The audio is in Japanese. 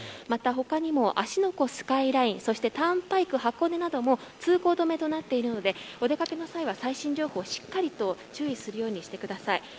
また他にも、芦ノ湖スカイラインそしてターンパイク箱根なども通行止めとなっているのでお出掛けの際は、最新情報をしっかりと注意するようにしてください。